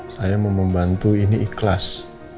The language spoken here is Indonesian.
saya mau membantu ini ikhlas